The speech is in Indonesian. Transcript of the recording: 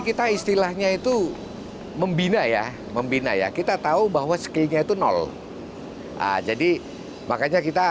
kita istilahnya itu membina ya membina ya kita tahu bahwa skillnya itu nol jadi makanya kita